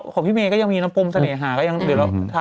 ของพี่เมย์ก็ยังมีน้ำพรมเสน่หาก็ยังเดี๋ยวเรา